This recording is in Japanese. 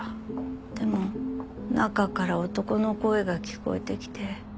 でも中から男の声が聞こえてきて。